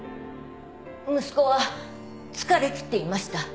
息子は疲れ切っていました。